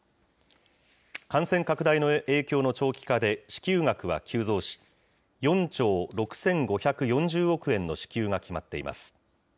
感染拡大の影響の長期化で、支給額は急増し、４兆６５４０億円の支給が決まっています。